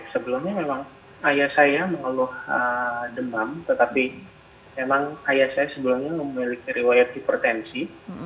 sebelumnya memang ayah saya mengeluh demam tetapi memang ayah saya sebelumnya memiliki riwayat hipertensi